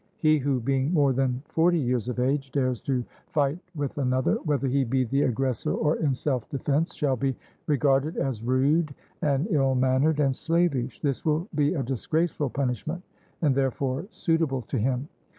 He who, being more than forty years of age, dares to fight with another, whether he be the aggressor or in self defence, shall be regarded as rude and ill mannered and slavish this will be a disgraceful punishment, and therefore suitable to him.